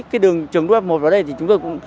cái đường trường đua f một vào đây thì chúng tôi cũng